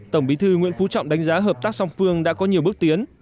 tổng bí thư nguyễn phú trọng đánh giá hợp tác song phương đã có nhiều bước tiến